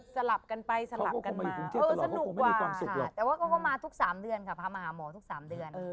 สลับกันไปสลับกันมาสนุกกว่าค่ะแต่ว่าเขาก็มาทุก๓เดือนค่ะพามาหาหมอทุก๓เดือน